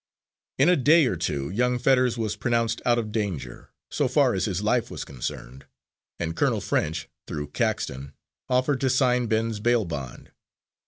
In a day or two young Fetters was pronounced out of danger, so far as his life was concerned, and Colonel French, through Caxton, offered to sign Ben's bail bond.